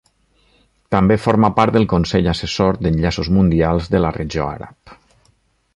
També forma part del consell assessor d'Enllaços Mundials de la Regió Àrab.